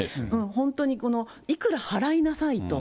本当に、いくら払いなさいと。